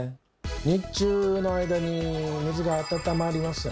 日中の間に水が温まりますよね。